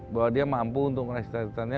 bahwa dia mampu untuk menghasilkan cita citanya